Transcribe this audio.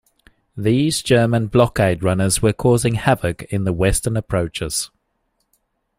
These German blockade runners were causing havoc in the Western Approaches.